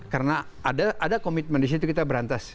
karena ada komitmen disitu kita berhentas